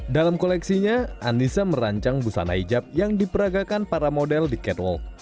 dalam koleksinya anissa merancang busana hijab yang diperagakan para model di catwalk